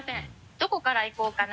どこからいこうかな？